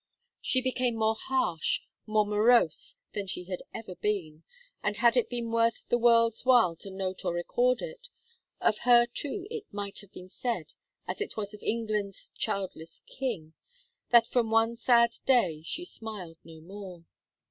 She became more harsh, more morose than she had ever been, and had it been worth the world's while to note or record it, of her too it might have been said, as it was of England's childless King, "that from one sad day she smiled no more."